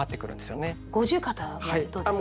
五十肩はどうですか？